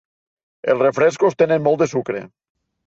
Els refrescos tenen molt de sucre.